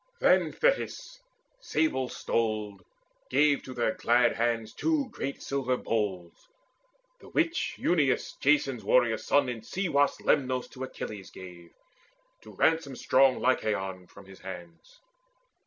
Then Thetis sable stoled Gave to their glad hands two great silver bowls The which Euneus, Jason's warrior son In sea washed Lemnos to Achilles gave To ransom strong Lycaon from his hands.